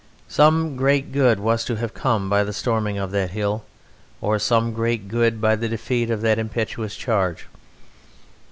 Some great good was to have come by the storming of that hill, or some great good by the defeat of the impetuous charge.